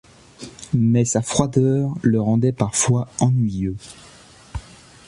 Mais sa froideur le rendait parfois ennuyeux.